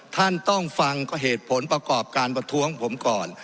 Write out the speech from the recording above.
ท่านต้องฟังเหตุผลประกอบการประท้วงผมก่อน